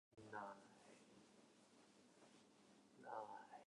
愛とは